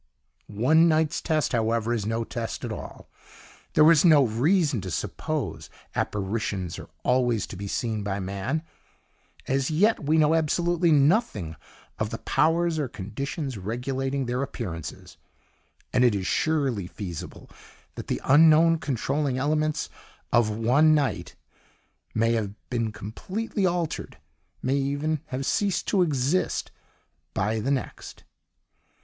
A one night's test, however, is no test at all; there is no reason to suppose apparitions are always to be seen by man; as yet we know absolutely nothing of the powers or conditions regulating their appearances, and it is surely feasible that the unknown controlling elements of one night may have been completely altered, may even have ceased to exist by the next.